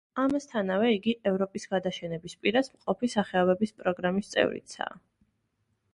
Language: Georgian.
ამასთანავე, იგი ევროპის გადაშენების პირას მყოფი სახეობების პროგრამის წევრიცაა.